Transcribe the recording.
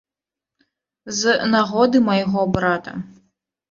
З нагоды майго брата.